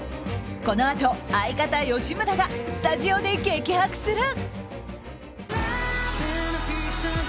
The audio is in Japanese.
このあと相方・吉村がスタジオで激白する。